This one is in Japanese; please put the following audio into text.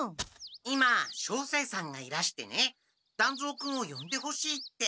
今照星さんがいらしてね団蔵君をよんでほしいって。